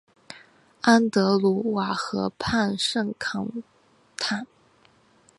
安德鲁瓦河畔圣康坦。